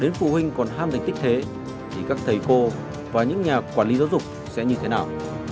đến phụ huynh còn ham thành tích thế thì các thầy cô và những nhà quản lý giáo dục sẽ như thế nào